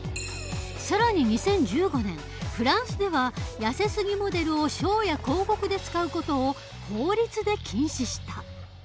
更に２０１５年フランスではやせすぎモデルをショーや広告で使う事を法律で禁止した。